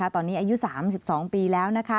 ตอนนี้อายุ๓๒ปีแล้ว